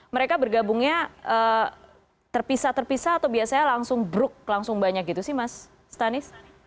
mereka bergabungnya terpisah terpisah atau biasanya langsung bruk langsung banyak gitu sih mas stanis